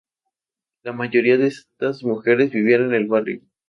La mayoría de estas mujeres vivían en el barrio.